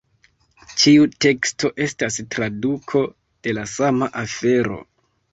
Ĉiu teksto estas traduko de la sama afero.